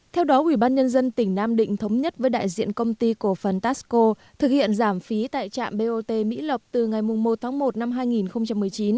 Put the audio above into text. theo đó ủy ban nhân dân tỉnh nam định thống nhất với đại diện công ty cổ phần taxco thực hiện giảm phí tại trạm bot mỹ lộc từ ngày một tháng một năm hai nghìn một mươi chín